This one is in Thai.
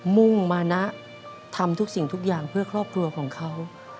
มุ่งมานะทำทุกสิ่งทุกอย่างเพื่อครอบครัวของเขา